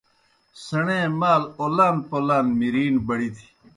سیْݨے مال اولان پولان مِرِی بڑِتھیْ۔